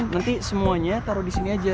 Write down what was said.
nanti semuanya taruh disini aja